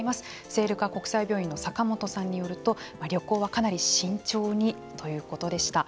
聖路加国際病院の坂本さんによると旅行はかなり慎重にということでした。